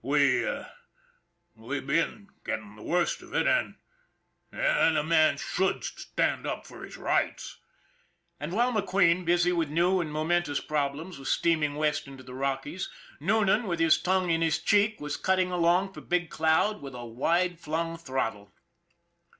We we've been getting the worst of it, and and a man should stand up for his rights." And while McQueen, busy with new and momen tous problems, was steaming west into the Rockies, Noonan, with his tongue in his cheek, was cutting along for Big Cloud with a wide flung throttle.